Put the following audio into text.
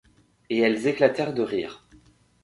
Et elles éclatèrent de rire.